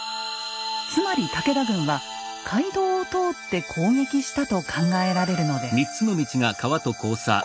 つまり武田軍は街道を通って攻撃したと考えられるのです。